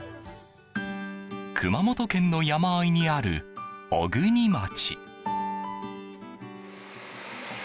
熊本県の山あいにある小国町。